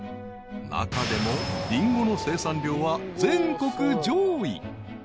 ［中でもリンゴの生産量は全国上位］